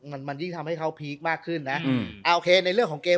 มันมันยิ่งทำให้เขาพีคมากขึ้นนะอืมโอเคในเรื่องของเกม